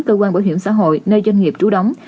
cơ quan bảo hiểm xã hội nơi doanh nghiệp trú đóng